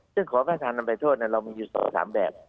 ซึ่งขอรับราษฐานอภัยโทษเรามีอยู่ต่อ๓แบบ